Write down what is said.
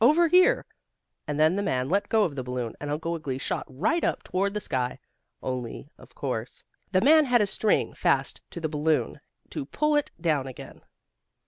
Over here!" And then the man let go of the balloon, and Uncle Wiggily shot right up toward the sky, only, of course, the man had a string fast to the balloon to pull it down again.